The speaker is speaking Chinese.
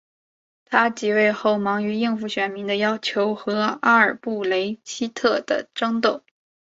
他即位后忙于应付选民的要求和阿尔布雷希特的争斗。